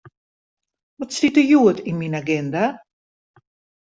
Wat stiet der hjoed yn myn aginda?